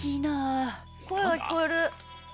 声が聞こえる。